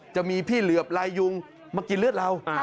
จะมีพี่เหลือบลายยุงมากินเลือดเรา